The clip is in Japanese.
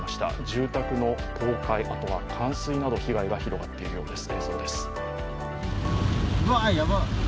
住宅の倒壊、冠水など被害が広がっているようです。